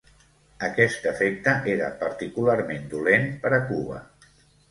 Aquest efecte era particularment dolent per a Cuba.